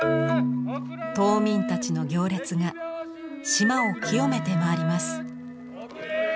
島民たちの行列が島を清めて回ります。